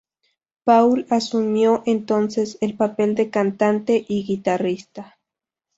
Paúl asumió entonces el papel de cantante y guitarrista.